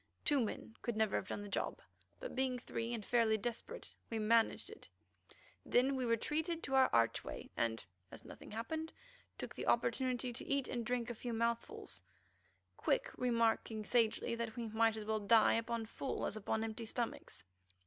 Two men could never have done the job, but being three and fairly desperate we managed it. Then we retreated to our archway and, as nothing happened, took the opportunity to eat and drink a few mouthfuls, Quick remarking sagely that we might as well die upon full as upon empty stomachs.